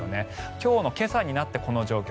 今日の今朝になってこの状況。